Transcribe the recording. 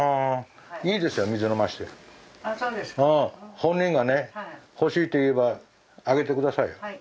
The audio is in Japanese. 本人がね欲しいって言えばあげて下さい。